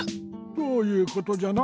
どういうことじゃな？